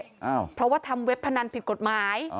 เพราะว่าทำเว็บพนันผิดกฎหมาย